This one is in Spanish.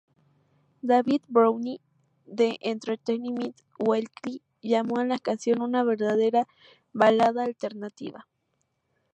David Browne de "Entertainment Weekly" llamó a la canción "una verdadera balada alternativa.